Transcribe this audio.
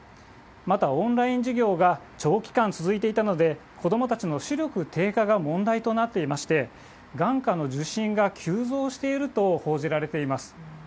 また、オンライン授業が長期間続いていたので、子どもたちの視力低下が問題となっていまして、眼科の受診が急増していると報じられています。